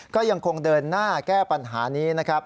ก็ยังคงเดินหน้าแก้ปัญหานี้นะครับ